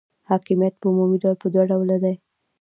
حاکمیت په عمومي ډول په دوه ډوله دی.